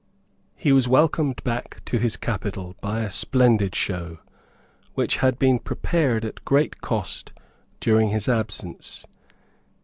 He was welcomed back to his capital by a splendid show, which had been prepared at great cost during his absence.